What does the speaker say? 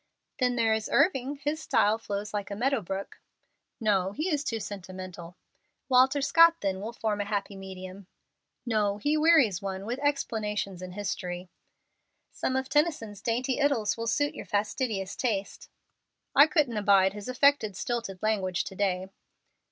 "Then here is Irving. His style flows like a meadowbrook." "No, he is too sentimental." "Walter Scott, then, will form a happy medium." "No, he wearies one with explanations and history." "Some of Tennyson's dainty idylls will suit your fastidious taste." "I couldn't abide his affected, stilted language to day."